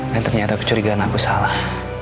dan ternyata kecurigaan aku salah